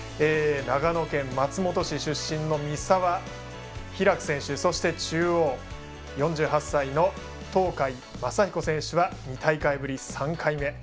長野県松本市出身の三澤拓選手そして、中央４８歳の東海将彦選手は２大会ぶり３回目。